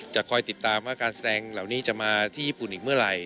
คอยติดตามว่าการแสดงเหล่านี้จะมาที่ญี่ปุ่นอีกเมื่อไหร่